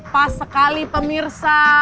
pas sekali pemirsa